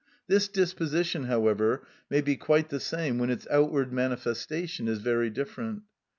This disposition, however, may be quite the same when its outward manifestation is very different.